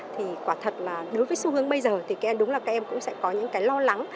thì quả thật là đối với xu hướng bây giờ thì cái đúng là các em cũng sẽ có những cái lo lắng